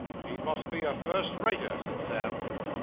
'He must be a first rater,' said Sam.